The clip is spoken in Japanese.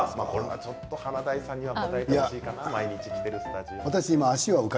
ちょっと華大さんには答えづらいかな毎日来ているスタジオ。